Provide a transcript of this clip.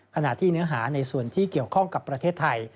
ขณะที่เนื้อหาในส่วนที่เกี่ยวข้องกับประเทศไทย